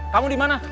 kamu di mana